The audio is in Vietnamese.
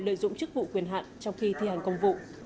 lợi dụng chức vụ quyền hạn trong khi thi hành công vụ